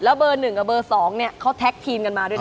เบอร์๑กับเบอร์๒เขาแท็กทีมกันมาด้วยนะ